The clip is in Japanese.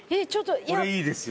これいいですよ。